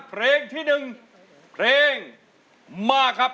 เพลงที่๑เพลงมาครับ